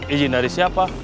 izin dari siapa